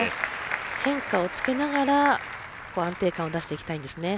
変化をつけながら安定感を出していきたいんですね。